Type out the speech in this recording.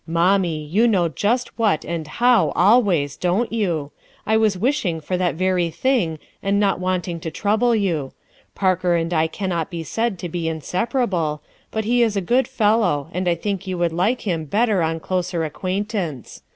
"Mommie, you know just what, and how, always, don't you ? I was wishing for that very thing and not wanting to trouble you. Parker and I cannot be said to be inseparable ; but he is a good fellow, and I think you would like him better on closer acquaintance.